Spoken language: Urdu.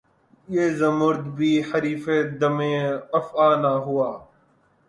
یہ زمّرد بھی حریفِ دمِ افعی نہ ہوا